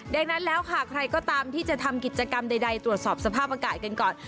ดังนั้นแล้วค่ะใครก็ตามที่จะทำกิจกรรมใดตรวจสอบสภาพอากาศกันก่อน